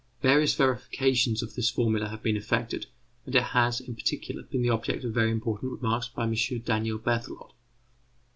Various verifications of this formula have been effected, and it has, in particular, been the object of very important remarks by M. Daniel Berthelot.